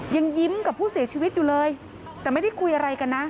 ยังยิ้มกับผู้เสียชีวิตอยู่เลยแต่ไม่ได้คุยอะไรกันนะ